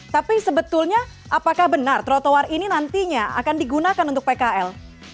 tapi sebetulnya apakah benar trotoar ini nantinya akan digunakan untuk pkl